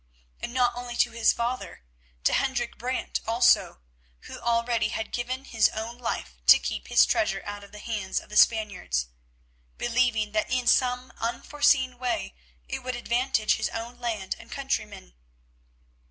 And not only to his father, to Hendrik Brant also, who already had given his own life to keep his treasure out of the hands of the Spaniards, believing that in some unforeseen way it would advantage his own land and countrymen.